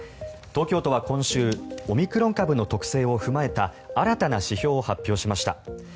東京都は今週オミクロン株の特性を踏まえた新たな指標を発表しました。